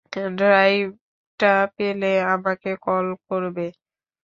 ড্রাইভটা পেলে আমাকে কল করবে।